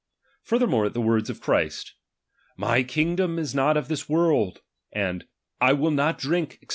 Further more, the words of Christ, My kingdom is not of this world : aud, / will not drink, &c.